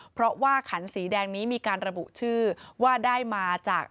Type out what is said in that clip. เพราะว่าขันสีแดงนี้มีการระบุชื่อว่าได้มาจาก